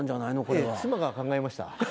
ええ妻が考えました。